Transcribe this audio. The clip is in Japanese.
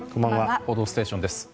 「報道ステーション」です。